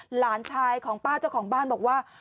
หลานชายของป้าเจ้าของบ้านบอกว่า